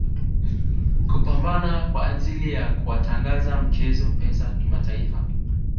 Kupambana kwa ajili ya kuwatangaza mchezo Pesa kimataifa